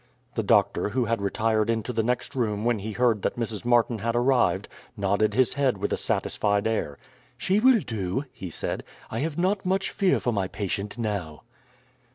The doctor, who had retired into the next room when he heard that Mrs. Martin had arrived, nodded his head with a satisfied air. "She will do," he said. "I have not much fear for my patient now."